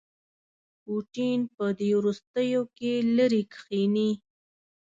پوټین په دې وروستیوکې لیرې کښيني.